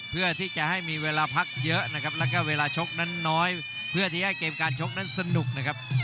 เพื่อที่จะให้มีเวลาพักเยอะนะครับแล้วก็เวลาชกนั้นน้อยเพื่อที่ให้เกมการชกนั้นสนุกนะครับ